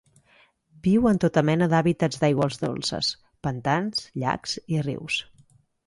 Viu en tota mena d'hàbitats d'aigües dolces: pantans, llacs i rius.